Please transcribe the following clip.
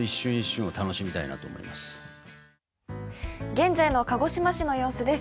現在の鹿児島市の様子です。